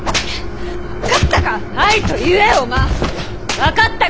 分かったか！